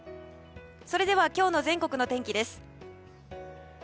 それでは今日の全国の天気です。